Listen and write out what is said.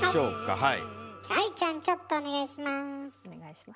はい。